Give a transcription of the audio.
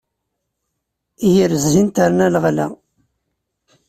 Yir zzin terna leɣla.